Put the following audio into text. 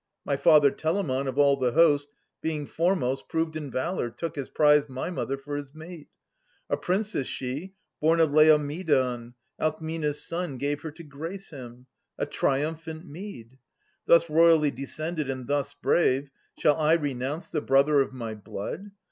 My father, Telamon, of all the host Being foremost proved in valour, took as prize My mother for his mate : a princess she, Born of Laomedon ; Alcmena's son Gave her to grace him — a triumphant meed. Thus royally descended and thus brave, Shall I renounce the brother of my blood.